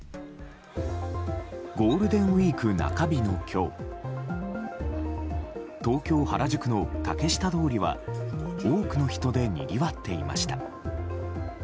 ゴールデンウィーク中日の今日東京・原宿の竹下通りは多くの人でにぎわっていました。